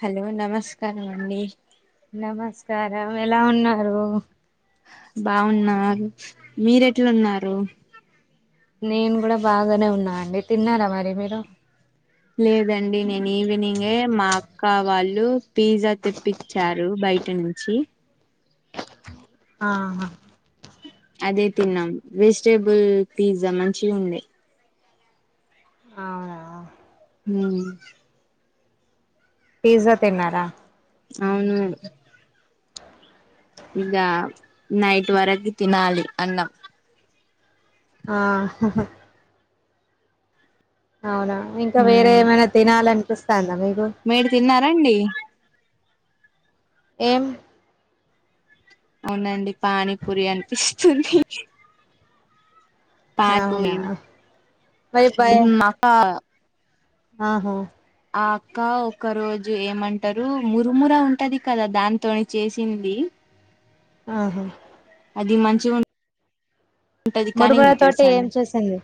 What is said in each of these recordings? Hello నమస్కారమండి నమస్కారం ఎలా ఉన్నారు బావున్నాన్ మీరెట్లున్నారు నేను గుడా బాగానే ఉన్నా అండి తిన్నారా మరి మీరు లేదండి నేను ఈవినింగే మా అక్క వాళ్ళు పిజా తెప్పిచ్చారు బ బయట నుంచి ఆహ అదే తిన్నాం వెజిటేబుల్ పిజా మంచి ఉండే అవునా ఊ పీజా తిన్నారా అవును ఇగా నైట్ వరకి తినాలి అన్నం ఆ అవునా ఇంకా వేరే ఉమ్ ఏమైనా తినాలనిపిస్తాందా మీకు రండి ఎం అవునండి పానీ పూరి అనిపిస్తుంది ప నిపురితి అవునా మరి భయ నకాక ఆహా ఆ అక్క ఒకక్క రోజు ఏమంటారు మురుముర ఉంటది కదా దానితోని చేసింది ఆహా అది మంచిగా ఉంటుంది కానీ మురుముర ఇ తోటి ఏం తెలుసాడి చేసింది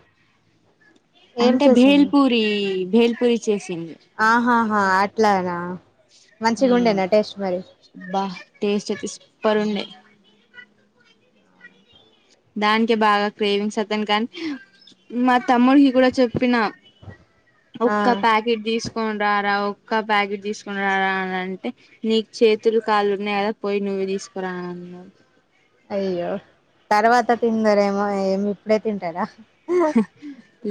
ఏం అంటే చేసింది భేల్పూరి భేల్పూరి చేసు ఆహాహా అట్లానా మంచిగా ఉండేనా టేస్ట్ మరి బా టేస్ట్ తీస్ పరుండే దానికే బాగా క్రేవింగ్స్ వద్దాను కానీ మా తమ్ముడికి కూడా చె చెప్పిన ఆ ముఒక్క ప్యాకెట్ తీసుకని రారా ఒక బ్యాగెట్ తీసుకుని రా అని అంటే నీ చేతులు కాలుు ఉన్నాయి కదా పోయి నువ్వే తీసుకురా అన్న అయ్యేఅయ్యో తర్వాత తిందారేమో ఏమి ఇప్పుడే తింటారా హ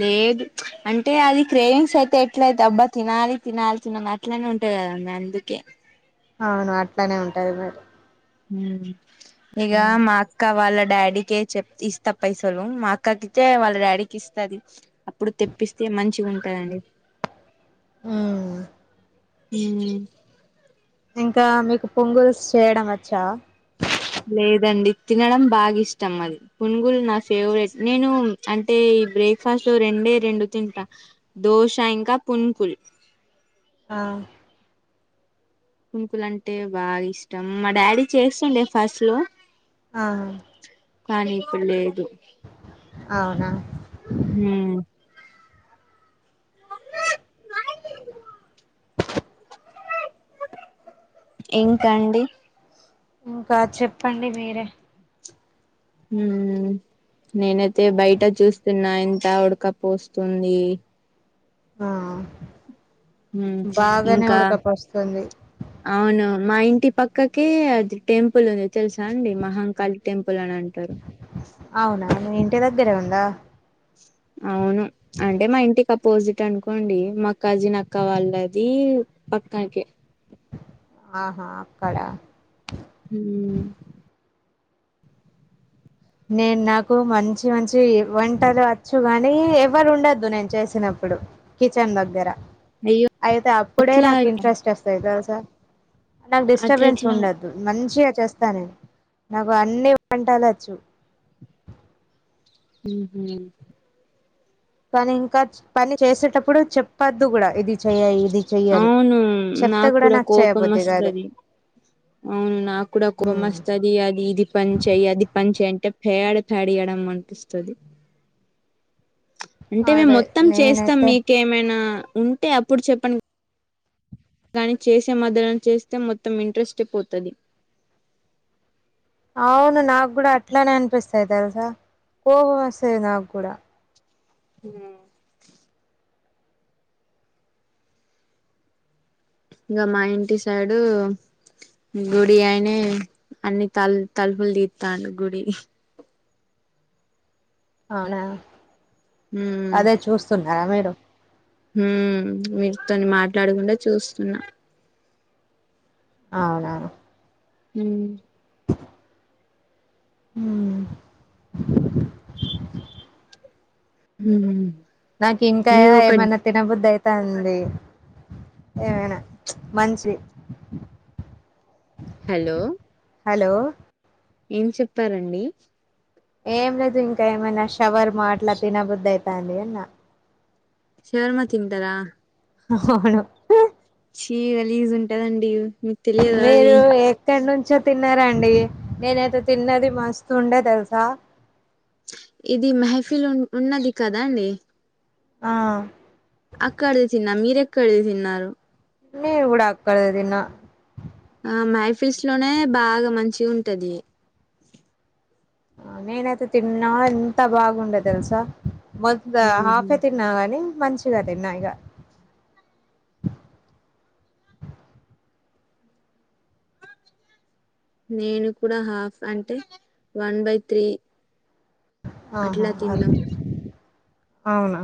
లేదు అంటే అది క్రేవింగ్స్ అయితే ఎట్లయితే అబ్బా తినాలి తినాలి తిన అట్లనే ఉంటుందిా కద వుం ఎందుకే అవును అట్లనే ఉంటది మరి ఇక మా అక్క వాళ్ళ డాడీకే చెప్ ఇస్తా పైసలు మా అక్కకి అే వాళ్ళ డాడీకి ఇస్తుది అప్పుడు తెప్పిస్తే మంచిగా ఉంటందండి ఆ హ ఇంకా మీకు పొంగుల్స్ చేయడం వచ్చా లేదండి తినడం బాగా ఇష్టం అది పునుగులు నా ఫేవరెట్ నేను అంటే బ్రేక్ఫాస్ట్ లో రెండే రెండు తింటా దోశ ఇంకా పున్పులు ఆ కుంకులు అంటే బాగా ఇష్టం మా డాడీ చేస్తుండే ఫస్ట్ లో ఆ కానీ ఇ పల్లే ఇదు అవునా హ ఇంకా అండి ఇంకా చెప్పండి మీరే హ నేనైతే బయట చూస్తున్నాయన్ ద గుడకపోస్తుంది ఆ హ్మ్ బాగానే ఇంకా ఉడకపువస్తుంది అవును మా ఇంటి పక్కకి అది టెంపుల్ వంది తెలుసా అండి మహాంకాళి టెంపుల్ అని అంటారు దా అవును అంటే మా ఇంటికి అపోజిట్ అనుకోండి మాక్కజీ నక్క వాళ్ళది పక్క కె ఆహా అక్కడ ఉ హా నేను నాకు మంచి మంచి వంటలు వచ్చు గాని ఎవ్వరు ఉండొద్దు నేను చేసినప్ ఇప్పుడు కిచెన్ దగ్గర అయ్యో అయితే అప్పుడే అట్లా నాకు ఇంట్రెస్ట్ వస్తయి తెలుసా నాకు అట్లా డిస్టర్బెన్స్ ఎట్లా ఉండదు మంచిగా చేస్తా నేను నాకు అన్ని వంటలచ్చు ఉహు కానీ ఇంకా పని చేసేటప్పుడు చెప్పద్దు కూడా ఇది చెయ ఇ అవును నాకు కూడా కోపం చేయబుద్ది కాదు వస్తది అవును నాకు కూడా కోప మస్తది అది ఇది పని చెయి అది పని చెయి అంటే పెయిడ్ టడియడం అనిపిస్తది అంటే మేము అదే మొత్తం చేస్తాం నేనైతే మీకేమైనా ఉంటే అప్పుడు చెప్పని కానీ చేసే మద్దలన చేస్తే మొత్తం ఇంట్రెస్ట్ టె పోతది అవును నాకు కూడా అట్లానే అనిపిస్తాయి తెలుసా కోపం వస్తది నాకు కూడా అ ఇంగా మా ఇంటి సైడు గుడి అయినే అన్ని తలు తలుపులు తితండు గుడి అవునా అదే చూస్తున్నారా మేడం హు మీరుతోన్ని మాట్లాడకుండా చూస్తున్నా అవునవును హ హు హ నాకు ఇంకా ఏమనా తినబుద్దయి తంది ఏమైనా మంచి హలో హలో ఏం చెప్పారండి ఏం లేదు ఇంకా ఏమైనా షవర్మా అట్లా తినబుద్దయితంది అన్న శవర్మ తింటారా అవును చీ రిలీజ్ ఉంటదండి తెలియదా అది మీరు ఎక్కడ నుం చ్చో తిన్నారాండి నేనైతే తిన్నది మస్తు ఉండే తెలుసా ఇది మెహఫిల్ ఉ ఉన్నది కదా అండి ఆ అక్కడిది తిన్నా మీరెక్కడిది తిన్నారు నేను కూడ ఆక్కడేతిన్న ఆ మైఫిల్స్ లోనే బాగా మంచి ఉంటది ఆ నేనైతే తిన్నా ఎంత బాగుండే తెల్సా మొ ఉహు హాఫే తిన్నా కాని మంచిగా తిన్నా ఇగ నేను కూడా హాఫ్ అంటే వన్ బై త్రీ ఆహా అట్లా అద తిన్నాం అవునా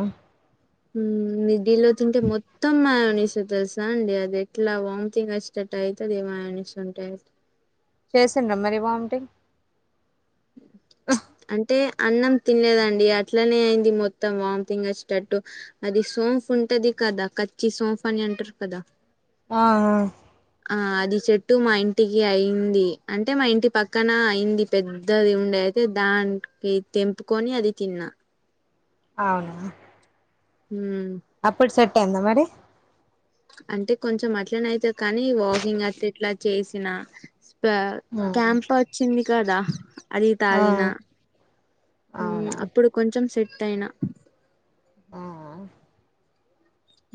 నిఫ్ఢీలో తింటే మొత్తం మాయానిసే తెలుసా అండి అది ఎట్లా వంతింగ్ అచేట ట్ ఎటో అయితది మయోనిస్ ఉంటె చేసిండ్ర మరి వామ్ టింగ్ అంటే అన్నం తినలేదండి అట్లనే అయింది మొత్తం వామిటింగ్ వచ్చేటట్టు అది సోంఫ్ ఉంటది కదా కచ్చి సోఫా అని అంటారు కదా ఆ ఆ ఆ అది చెట్టు మా ఇంటికి అయింది అంటే మా ఇంటి పక్కన అయింది పెద్దది ఉండే అయితే దానికి తెంపుకొని అది తిన్నా ఆ ఉమ్ అప్పుడు సెటైయిందా మరి అంటే కొంచెం అట్లనే అవుతది కానీ వాకింగ్ అట్లా ఇట్లా చేసిన కా ఆ క్యాంప్ వచ్చింది కదా అది తాగిన అవునా అప్పుడు కొంచెం సెట్ అయినా ఆ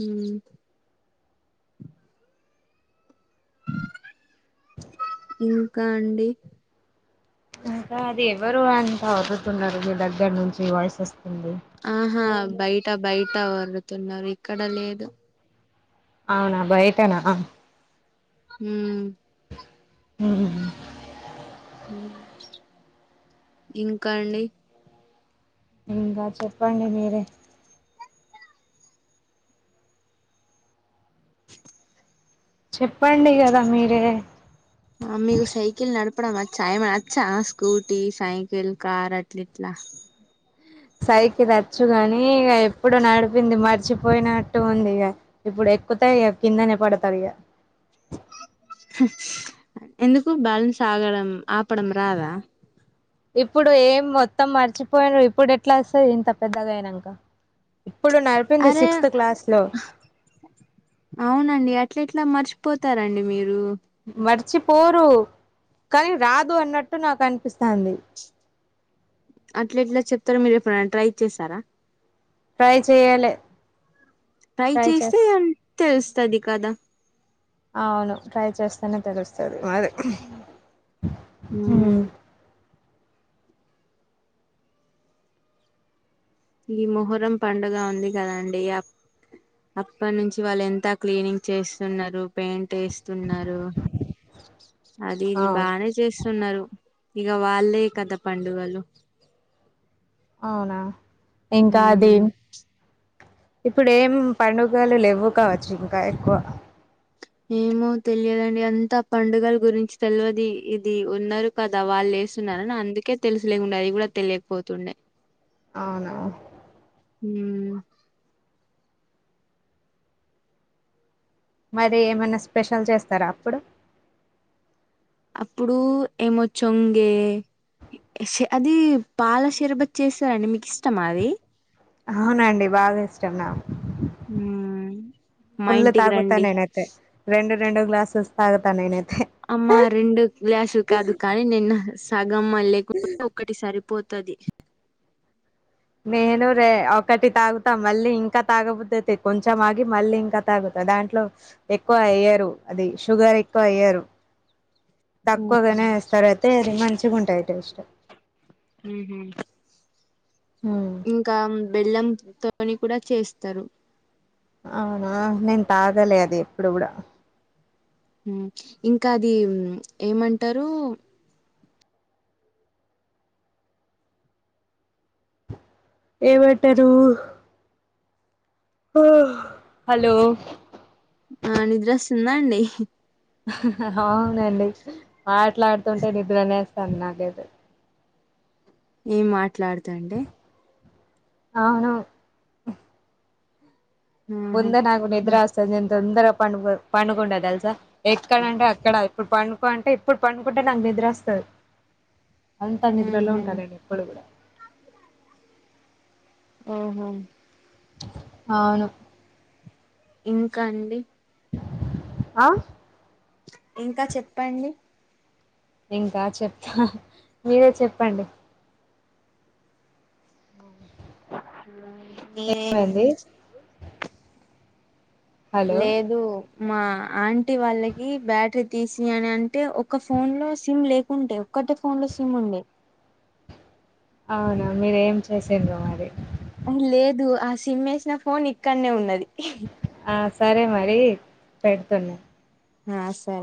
ఉమ్ ఆ ఇంకా అండి ఇంకా అది ఎవరు అంతా అదువుతున్నారు మీ దగ్గర నుంచి వాయిస్ వస్తూ ఆహా బయట బయట వడుతున్నారు ఇక్కడ లేదు అవునా బయటనా ఉమ్ ఆహా ఇంకా అండి ఇంగా చెప్పండి మీరే చెప్పండి కదా మీరే మీకు సైకిల్ నడపడం వచ్చా ఏమైనా వచ్చా స్కూటీ సైకిల్ కార్ అట్ల ఇట్లా సైకిల్ వచ్చుగాని ఇగ ఎప్పుడు నడిపింది మర్చిపోయినట్టు ఉంది ఇగ ఇప్పుడే ఎక్కుతే కిందనే పడతారు ఇక ఎందుకు బ్యాలన్స్ ఆగడం ఆపడం రాదా ఇప్పుడు ఏం మొత్తం మర్చిపోయాను ఇప్పుడు ఎట్లా వస్తది ఇంత పెద్దగా అయినాక ఇప్పుడు నడిపింది అరే సిక్స్త్ క్లాస్ లో ఏట్లా మర్చిపోతారండి మీరు మర్చిపోరు కానీ రాదు అన్నట్టు నాకు అనిపిస్తంది అట్లా ఇట్లా చెప్తారు మీరు ఎప్పుడు ట్రై చేశారా ట్రై చెయలే ట్రై చేస్తే అ తెలుస్తది కదా అవును ట్రై చేస్తానే తెలుస్తది అదే ఉమ్ ఈ మొహరం పండుగ ఉంది కదండి ఇగ అప్పటి నుంచి వాళ్ళు ఎంత క్లీనింగ్ చేస్తున్నారు పెయింట్ వేస్తున్నారు అది ఇది అవును. బానే చేస్తున్నారు ఇక వాళ్ళే కథ పండుగలు అవునా ఇంకాది ఉమ్ ఇప్పుడు ఏం పండుగలు లేవ్వు కావచ్చు ఇంకా ఎక్కువ ఏమో తెలియదండి అంతా పండుగల గురించి తెలువది ఇది ఉన్నారు కదా వాళ్ళే చేస్తున్నార అందుకే తెలుసు లేకుండా అది కూడా తెలియకపోతుండే అవునా మ్ మరి ఏమైనా స్పెషల్ చేస్తారా అప్పుడు? అప్పుడు ఏమొచ్చొంగే. అది పాల షర్బత్ చేసారండి మీకు ఇష్టమా అది అవునండి బాగా ఇష్టం నాకు ఉమ్ మా ఫుళ్ల్ ఇంటికి తాగతా రండి నేనైతే రెండు గ్లాసెస్ తాగుతా నేనైతే. అమ్మా రెండు గ్లాసులు కాదు కానీ నిన్న సగమ్మ మల్లే లేకుండా ఒకటి సరి పోతాది. నేనుూ ఒకటి తాగుతా మళ్ళీ ఇంకా తాగబుద్ధి అయితే కొంచెం ఆగి మళ్ళీ ఇంకా తాగుతా దాంట్లో ఎక్కువ ఎయ్యరు అది షుగర్ ఎక్కువ ఎయ్యరు. [inaudible] తక్కువగానే వేస్తారు అయితే అది మంచిగా ఉంటాయి టేస్ట్. మ్ హూ హ్మ్. ఇంకా బెల్లం తో కూడా చేస్తారు. అవునా, నేను తాగలే అది ఎప్పుడు కూడా ఇంకా అది ఏమంటారు ఏమంటారు హలో! ఆ నిద్ర వస్తుందాండి. అవునండి మాట్లాడుతుంటే నిద్రనేవస్తాంది నాకైతే. ఏం మాట్లాడుతా అండి అవును ఆహా ముందే నాకు నిద్ర వస్తాది. నేను తొందరగా పడుకుంటా తెల్సా? ఎక్కడ అంటే అక్కడ ఇప్పుడు పండుకో అంటే ఇప్పుడు పండుకుంటే నాకు నిద్ర వస్తాది. అంతా నిద్రలో ఆహా ఉంటారండి ఎప్పుడూ ఆహా! అవును ఇంకా అండి ఆ ఇంకా చెప్పండి ఇంకా చెప్తా మీరే చెప్పండి. ఓ మీరేం హలో లేదు మా ఆంటీ వాళ్ళకి బ్యాటరీ తీసినాయి అని అంటే ఒక ఫోన్ లో సిమ్ లేకుండే ఒకటే ఫోన్ లో సిమ్ ఉండే అవునా మీరేం చేసిండ్రో మరి లేదు ఆ సిమ్ వేసిన ఫోన్ ఇక్కడనే ఉన్నది. ఆ సరే మరి పెడుతున్నా. ఆ సరే